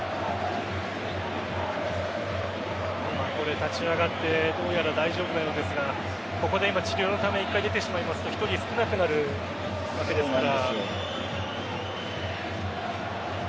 立ち上がってどうやら大丈夫なようですがここで今、治療のために１回出てしまいますと１人少なくなるわけですから。